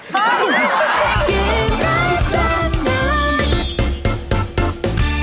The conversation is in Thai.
คน